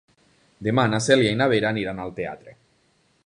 Demà na Cèlia i na Vera aniran al teatre.